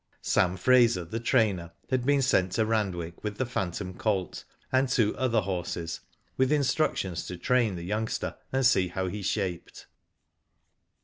Sam Fraser, the trainer had been sent to Rand wick with the Phantom colt and two other horses, with instructions to train the youngster and see how he shaped.